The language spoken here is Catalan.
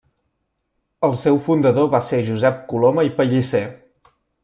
El seu fundador va ser Josep Coloma i Pellicer.